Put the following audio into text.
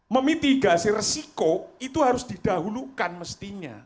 memitigasi resiko itu harus didahulukan mestinya